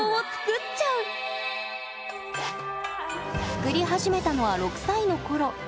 作り始めたのは６歳のころ。